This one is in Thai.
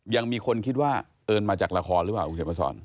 ยังมีคนคิดว่าเอิ้นมาจากละครหรือเปล่าอุ๊คเฉพาะสอน